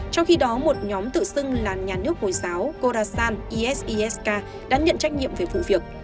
trong khi đó một nhóm tự xưng là nhà nước hồi giáo korasan es isk đã nhận trách nhiệm về vụ việc